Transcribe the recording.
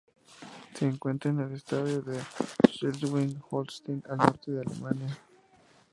Se encuentra en el estado de Schleswig-Holstein, al norte de Alemania.